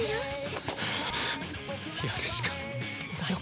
やるしかないのか。